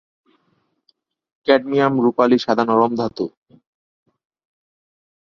Cadmium রূপালি সাদা নরম ধাতু।